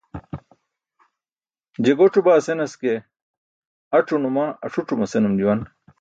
Je guc̣o baa senas ke, ac̣o. Numa aṣuc̣uma senum juwan.